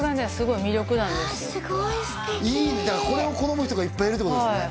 いいんだこれを好む人がいっぱいいるってことですね